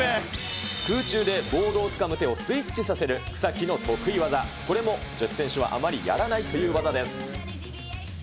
空中でボードをつかむ手をスイッチさせる草木の得意技、これも女子選手はあまりやらないという技です。